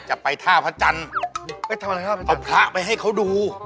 เอาพระไปให้เขาดู